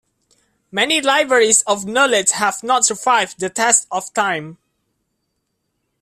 Many libraries of knowledge have not survived the test of time.